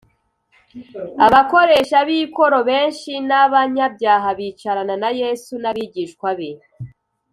abakoresha b ikoro benshi n abanyabyaha bicarana na Yesu n abigishwa be